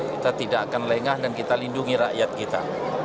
kita tidak akan lengah dan kita lindungi rakyat kita